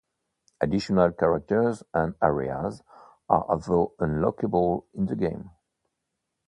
Additional characters and areas are also unlockable in the game.